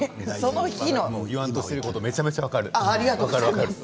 言わんとしていることめちゃくちゃ分かる。